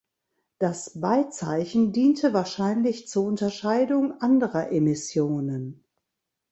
Das Beizeichen diente wahrscheinlich zur Unterscheidung anderer Emissionen.